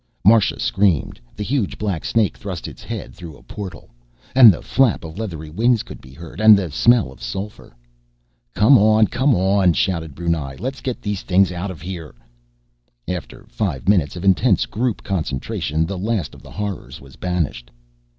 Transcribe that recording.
Marsha screamed. The huge black snake thrust its head through a portal. And the flap of leathery wings could be heard. And the smell of sulphur. "Come on! Come on!" shouted Brunei. "Let's get these things out of here!" After five minutes of intense group concentration, the last of the horrors was banished.